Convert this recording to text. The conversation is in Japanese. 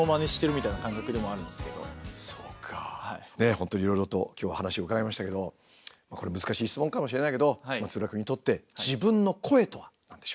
本当にいろいろと今日は話を伺いましたけどもこれ難しい質問かもしれないけど松浦君にとって自分の声とは何でしょう？